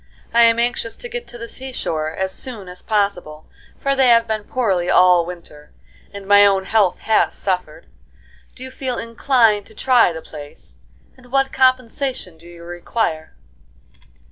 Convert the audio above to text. I am anxious to get to the sea shore as soon as possible, for they have been poorly all winter, and my own health has suffered. Do you feel inclined to try the place? And what compensation do you require?"